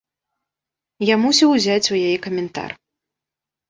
Я мусіў узяць у яе каментар.